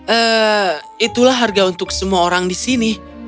eee itulah harga untuk semua orang di sini